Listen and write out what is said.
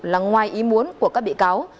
là ngoài ý muốn của các bị cáo